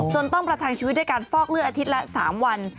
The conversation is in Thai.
ต้องประทังชีวิตด้วยการฟอกเลือดอาทิตย์ละ๓วัน